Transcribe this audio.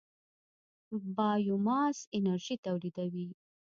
بایوماس انرژي تولیدوي.